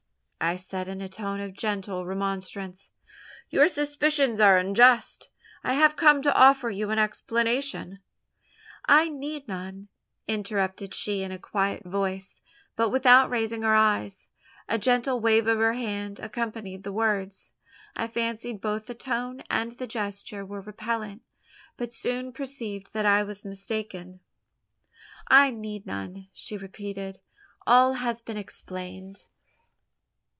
I said, in a tone of gentle remonstrance, "your suspicions are unjust; I have come to offer you an explanation " "I need none," interrupted she in a quiet voice, but without raising her eyes. A gentle wave of her hand accompanied the words. I fancied both the tone and the gesture were repellant; but soon perceived that I was mistaken. "I need none," she repeated, "all has been explained."